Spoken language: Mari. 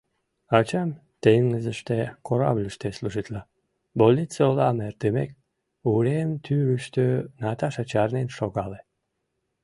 Ачам теҥызыште, корабльыште, служитла, — больнице олам эртымек, урем тӱрыштӧ Наташа чарнен шогале.